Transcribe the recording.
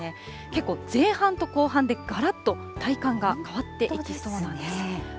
結構前半と後半でがらっと体感が変わっていきそうなんです。